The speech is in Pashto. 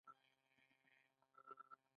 د یارانو د خندا غـــــــــــــــــږونه اورم